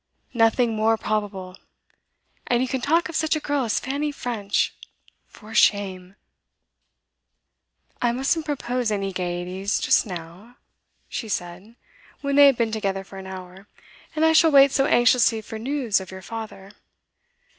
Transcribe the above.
Nothing more probable! And you can talk of such a girl as Fanny French for shame! 'I mustn't propose any gaieties just now,' she said, when they had been together for an hour. 'And I shall wait so anxiously for news of your father.